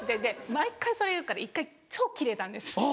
毎回それ言うから１回超キレたんです。